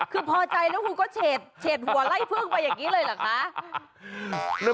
คือพอใจแล้วคุณก็เฉดหัวไล่พึ่งไปอย่างนี้เลยเหรอคะ